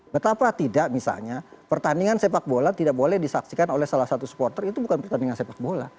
betapa tidak misalnya pertandingan sepak bola tidak boleh disaksikan oleh salah satu supporter itu bukan pertandingan sepak bola